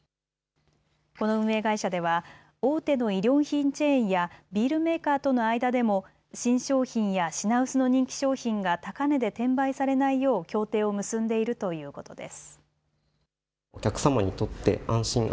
この運営会社では、大手の衣料品チェーンやビールメーカーとの間でも新商品や品薄の人気商品が高値で転売されないよう協定を結んでいるということです。